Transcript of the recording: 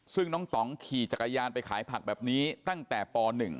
ซึ่งน้องต่องขี่จักรยานไปขายผักแบบนี้ตั้งแต่ป๑